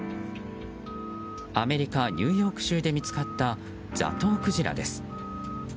アメリカ・ニューヨーク州で見つかったザトウクジラです。